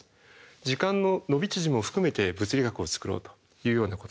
時間の伸び縮みも含めて物理学を作ろうというようなことになる。